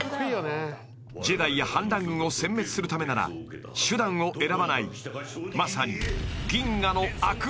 ［ジェダイや反乱軍を殲滅するためなら手段を選ばないまさに］